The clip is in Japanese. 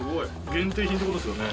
限定品ってことですよね？